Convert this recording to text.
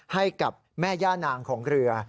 ให้กับแม่ย่านางของเรือ